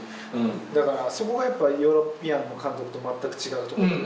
だから、そこがやっぱ、ヨーロピアンの監督と全く違うところ。